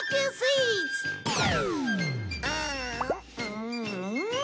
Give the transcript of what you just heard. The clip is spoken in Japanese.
うん！